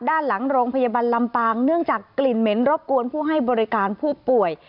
ด้านหลังโรงพยาบาลลำปางเนื่องจากกลิ่นเหม็นรบกวนผู้ให้บริการผู้ป่วย